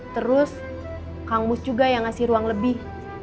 terus kang mus juga yang ngasih ruang lebih